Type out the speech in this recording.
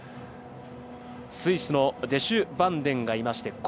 スイスのデシュバンデンがいまして